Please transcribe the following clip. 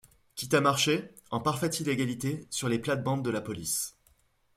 Quitte à marcher, en parfaite illégalité, sur les plates-bandes de la police.